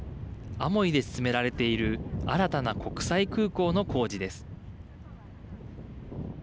アモイで進められている新たな国際空港の工事です。